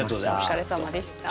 お疲れさまでした。